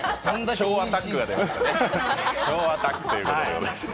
小アタックが出ましたね。